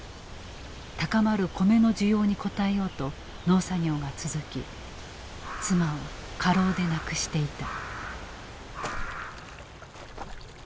高まる米の需要に応えようと農作業が続き妻を過労で亡くしていた。